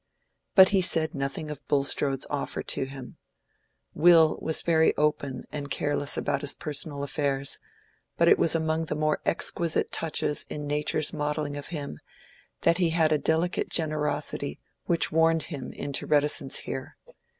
But he said nothing of Bulstrode's offer to him. Will was very open and careless about his personal affairs, but it was among the more exquisite touches in nature's modelling of him that he had a delicate generosity which warned him into reticence here.